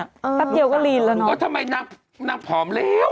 แป๊บเดียวก็ลีนแล้วเนอะทำไมนางผอมแล้ว